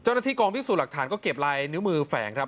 เจ้าหน้าที่กองพิสูจน์หลักฐานก็เก็บลายนิ้วมือแฝงครับ